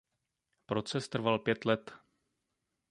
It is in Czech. Proces trval pět let.